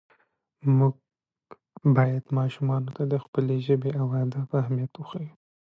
موږ باید ماشومانو ته د خپلې ژبې او ادب اهمیت وښیو